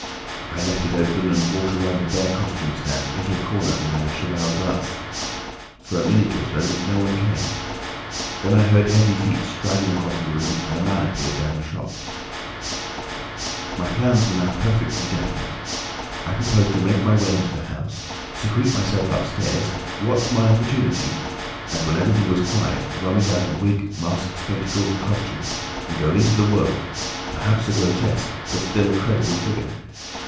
I left it open, and walked round a bare costume stand, into a corner behind a cheval glass. For a minute or so no one came. Then I heard heavy feet striding across a room, and a man appeared down the shop. "My plans were now perfectly definite. I proposed to make my way into the house, secrete myself upstairs, watch my opportunity, and when everything was quiet, rummage out a wig, mask, spectacles, and costume, and go into the world, perhaps a grotesque but still a credible figure.